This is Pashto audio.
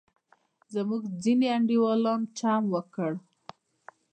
زموږ ځینې انډیوالان چم وکړ.